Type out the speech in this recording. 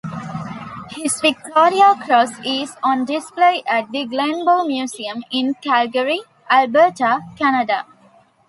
His Victoria Cross is on display at the Glenbow Museum in Calgary, Alberta, Canada.